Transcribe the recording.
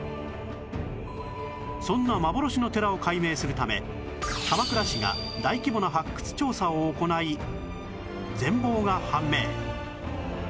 そんな幻の寺を解明するため鎌倉市が大規模な発掘調査を行い全貌が判明！